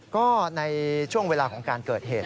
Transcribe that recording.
ก็ในช่วงเวลาของการเกิดเหตุ